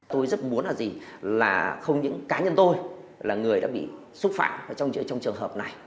tôi rất muốn là gì là không những cá nhân tôi là người đã bị xúc phạm trong trường hợp này